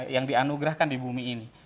yang dianugerahkan di bumi ini